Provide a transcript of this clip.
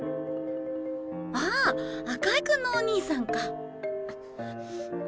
ああ赤井君のお兄さんか。